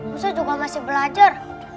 musa juga masih belajar